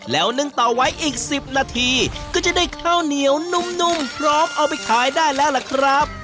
แล้วนึ่งต่อไว้อีก๑๐นาทีก็จะได้ข้าวเหนียวนุ่มพร้อมเอาไปขายได้แล้วล่ะครับ